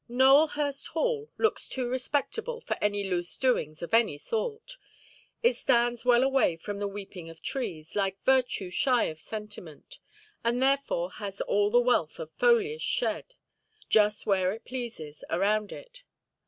Nowelhurst Hall looks too respectable for any loose doings of any sort. It stands well away from the weeping of trees, like virtue shy of sentiment, and therefore has all the wealth of foliage shed, just where it pleases, around it.